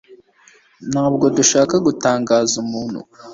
Ntabwo dushaka gutangaza umuntu